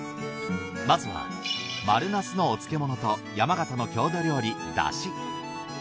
まずは丸茄子のお漬け物と山形の郷土料理だし。